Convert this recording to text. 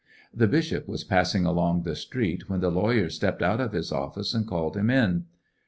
The bishop was passing along the street, when the lawyer stepped out of his of&ce and called him in.